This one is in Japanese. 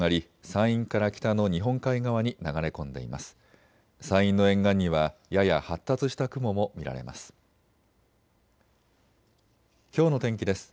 山陰の沿岸にはやや発達した雲も見られます。